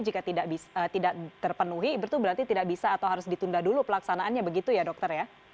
jika tidak terpenuhi itu berarti tidak bisa atau harus ditunda dulu pelaksanaannya begitu ya dokter ya